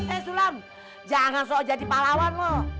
eh sulam jangan soal jadi palawan lo